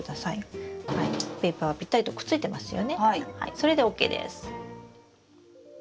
それでＯＫです。